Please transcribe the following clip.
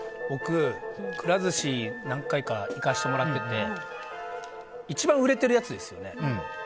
僕、くら寿司何回か行かせてもらってて一番売れてるやつですよね。